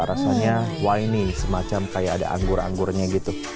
rasanya wine y semacam kayak ada anggur anggurnya gitu